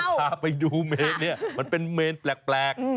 พาไปดูเมนเนี่ยมันเป็นเมนแปลก